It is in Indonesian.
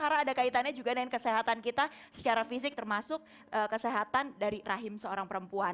karena ada kaitannya juga dengan kesehatan kita secara fisik termasuk kesehatan dari rahim seorang perempuan